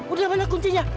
udah mana kuncinya